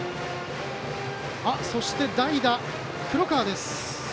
そして、代打、黒川です。